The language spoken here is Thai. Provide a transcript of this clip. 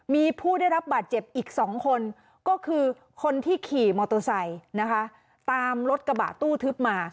มีผู้ได้รับบาดเจ็บอีก๒คนก็คือคนที่ขี่มอเตอร์ไซค์นะคะตามรถกระบะตู้ทึบมา